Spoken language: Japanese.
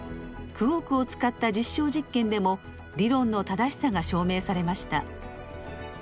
クオークを使った実証実験でも理論の正しさが証明されました。